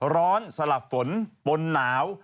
ร้อนสลับฝนปนหนาว